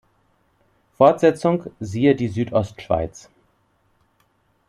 Fortsetzung, siehe Die Südostschweiz.